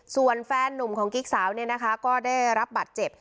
ส่วนแฟนหนุ่มของกิ๊กสาวก็ได้รับบัตรเจ็บ